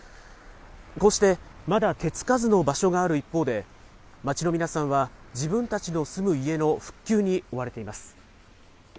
こうしてまだ手付かずの場所がある一方で、町の皆さんは、自分たちの住む家の復旧に追われています。